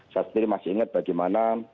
saya sendiri masih ingat bagaimana